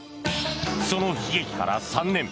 その悲劇から３年。